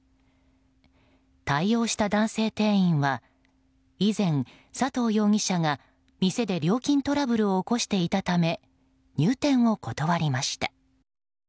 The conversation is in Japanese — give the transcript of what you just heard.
対応した男性店員は以前、佐藤容疑者が店で料金トラブルを起こしていたため入店を断りました。